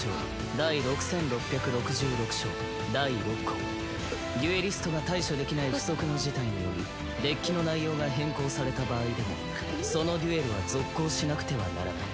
第６６６６章第６項デュエリストが対処できない不測の事態によりデッキの内容が変更された場合でもそのデュエルは続行しなくてはならない。